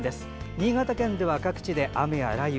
新潟県では各地で雨や雷雨。